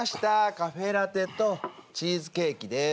カフェラテとチーズケーキです。